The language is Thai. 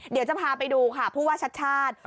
เดี๋ยวจะพาไปดูค่ะพูดว่าชัด